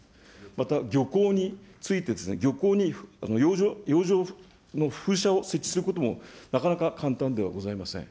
また漁港についてですね、漁港に洋上の風車を設置することもなかなか簡単ではございません。